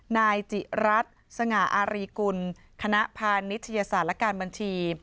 นายจิรัตน์สง่าอารีกุลคณะพานิชยศาสตร์และการบัญชี